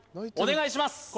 お願いします